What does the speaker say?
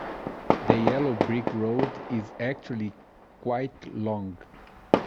The yellow brick road is actually quite long.